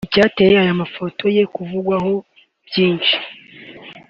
Icyateye aya mafoto ye kuvugwaho byinshi